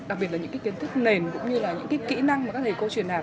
đặc biệt là những kiến thức nền cũng như là những kỹ năng mà các thầy cô truyền đạt